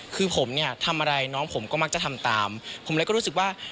คือผมเนี่ยทำอะไรน้องผมก็มักจะทำตามผมเลยก็รู้สึกว่า